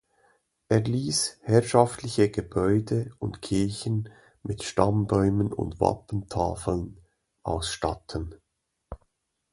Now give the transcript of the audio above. Er ließ herrschaftliche Gebäude und Kirchen mit Stammbäumen und Wappentafeln ausstatten.